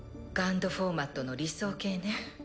フォーマットの理想形ね。